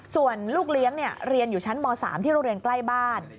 ส่วนลูกเลี้ยงเรียนอยู่ชั้นม๓ที่โรงเรียนใกล้บ้าน